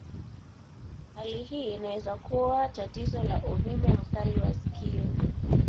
Hali hii inaweza kuwa tatizo la uvimbe mkali wa sikio.